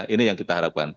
ini yang kita harapkan